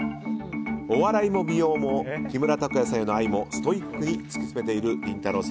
お笑いも美容も木村拓哉さんへの愛もストイックに突き詰めているりんたろー。